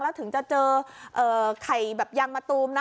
แล้วถึงจะเจอไข่แบบยางมะตูมนะ